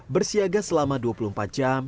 bersiaga selama dua puluh empat jam